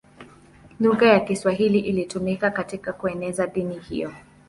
Lugha ya Kiswahili ilitumika katika kueneza dini hiyo.